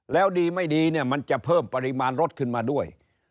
แล้วดีไม่ดีเนี่ยมันจะเพิ่มปริมาณรถขึ้นมาด้วย